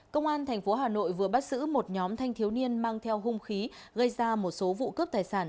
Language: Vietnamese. công an tp hà nội vừa bắt giữ một nhóm thanh thiếu niên mang theo hung khí gây ra một số vụ cướp tài sản